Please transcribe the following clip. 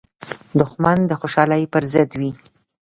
دښمن د خوشحالۍ پر ضد وي